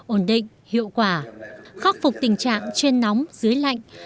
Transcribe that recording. ổn định hiệu quả khắc phục tình trạng trên nóng dưới lạnh